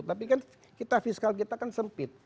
tapi kan kita fiskal kita kan sempit